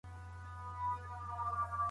د لاس لیکنه د معلوماتو د لنډیز کولو مهارت دی.